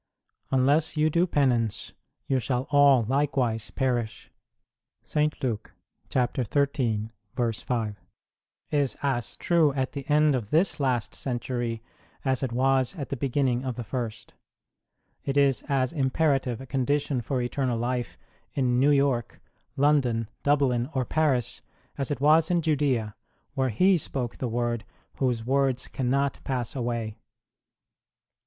Unless you do penance you shall all likewise perish * is as true at the end of this last century as it was at the beginning of the first ; it is as imperative a condition for eternal life in New York, London, Dublin, or Paris, as it was in Judea, where He spoke the word whose words cannot pass away.